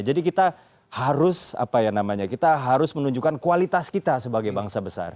jadi kita harus menunjukkan kualitas kita sebagai bangsa besar